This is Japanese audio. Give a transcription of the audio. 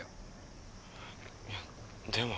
いやでも。